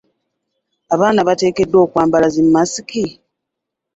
Abaana bateekeddwa okwambala zi masiki?